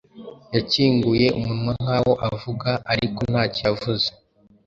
Yakinguye umunwa nk'aho avuga, ariko ntacyo yavuze.